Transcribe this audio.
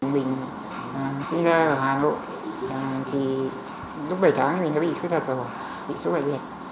mình sinh ra ở hà nội lúc bảy tháng mình đã bị thu thật rồi bị sổ bệnh liệt